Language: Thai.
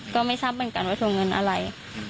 ก็ไม่ทราบเหมือนกันว่าทวงเงินอะไร